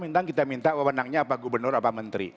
tinggal kita minta wawonannya apa gubernur apa menteri